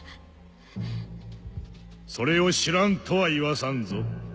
それを知らんとは言わさんぞ。